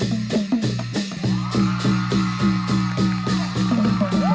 สุดยอดว้าว